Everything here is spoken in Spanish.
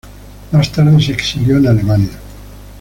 Más tarde se exilió en Alemania.